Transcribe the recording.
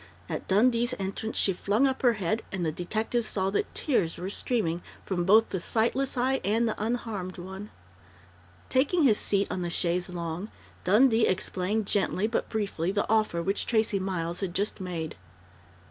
At Dundee's entrance she flung up her head, and the detective saw that tears were streaming from both the sightless eye and the unharmed one. Taking his seat on the chaise longue, Dundee explained gently but briefly the offer which Tracey Miles had just made.